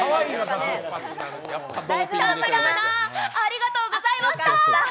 田村アナ、ありがとうございました。